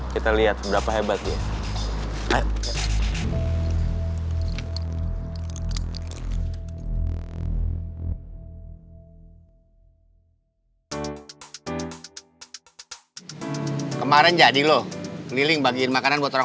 kita lihat seberapa hebat dia